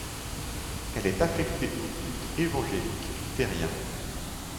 Elle est affectée au culte évangélique-luthérien.